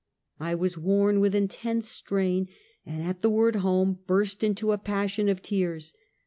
I was worn with intense strain, and at the word home, burst into a passion of tears.